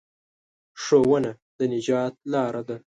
ښوونه د نجات لاره ده.